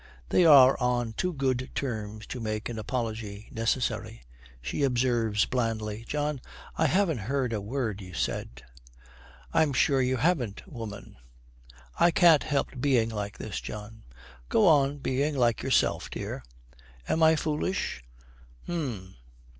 They are on too good terms to make an apology necessary. She observes blandly, 'John, I haven't heard a word you said.' 'I'm sure you haven't, woman.' 'I can't help being like this, John.' 'Go on being like yourself, dear.' 'Am I foolish?' 'Um.'